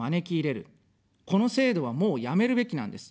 この制度は、もうやめるべきなんです。